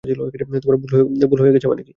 ভুলে গেছ মানে কী?